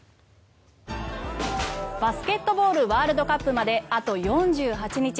バスケットボールワールドカップまであと４８日。